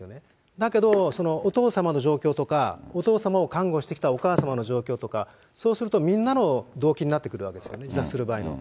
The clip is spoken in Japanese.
だけど、お父様の状況とか、お父様を介護してきたお母様の状況とか、そうすると、みんなの動機になってくるわけですよね、自殺する場合には。